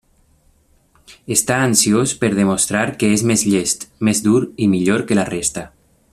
Està ansiós per demostrar que és més llest, més dur i millor que la resta.